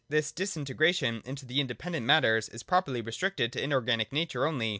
This disintegration into independent matters is properly restricted to inorganic nature only.